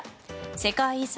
世界遺産